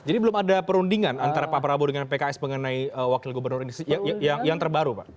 belum ada perundingan antara pak prabowo dengan pks mengenai wakil gubernur ini yang terbaru pak